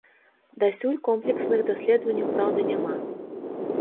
Дасюль комплексных даследаванняў, праўда, няма.